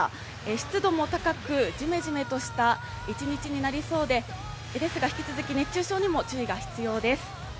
湿度も高く、ジメジメとした一日になりそうで、ですが、引き続き熱中症にも注意が必要です。